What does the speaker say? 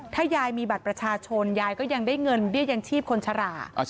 ถ้ายายมีบัตรประชาชนยายก็ยังได้เงินเบี้ยยังชีพคนชรา